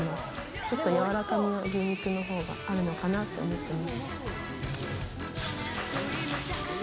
ちょっと、やわらかめの牛肉の方があるのかなって思ってます。